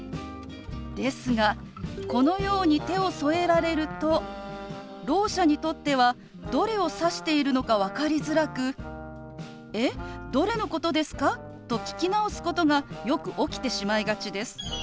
ですがこのように手を添えられるとろう者にとってはどれを指しているのか分かりづらく「えっ？どれのことですか？」と聞き直すことがよく起きてしまいがちです。